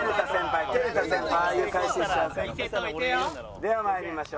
では参りましょう。